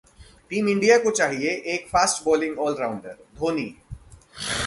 team India को चाहिए एक फास्ट बॉलिंग ऑलराउंडर: धोनी